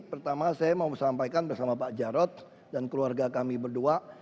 pertama saya mau sampaikan bersama pak jarod dan keluarga kami berdua